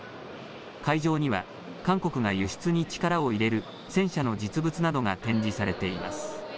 会場には韓国が輸出に力を入れる戦車の実物などが展示されています。